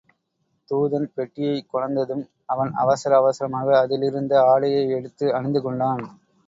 தூதன் பெட்டியைக் கொணர்ந்ததும், அவன் அவசர அவசரமாக அதிலிருந்த ஆடையை எடுத்து அணிந்துகொண்டான்.